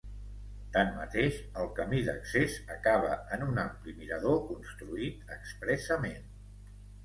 Tanmateix, el camí d'accés acaba en un ampli mirador construït expressament.